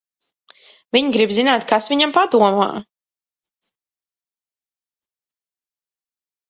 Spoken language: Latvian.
Viņi grib zināt, kas viņam padomā.